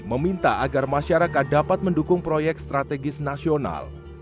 meminta agar masyarakat dapat mendukung proyek strategis nasional